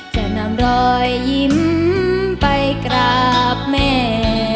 จะนำรอยยิ้มไปกราบแม่